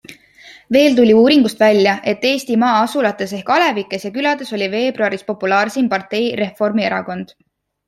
Veel tuli uuringust välja, et Eesti maa-asulates ehk alevikes ja külades oli veebruaris populaarseim partei Reformierakond.